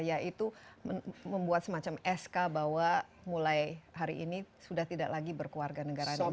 yaitu membuat semacam sk bahwa mulai hari ini sudah tidak lagi berkeluarga negara indonesia